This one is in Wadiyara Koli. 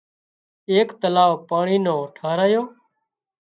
ايڪ تلاوَ پاڻي نو ٺاهرايو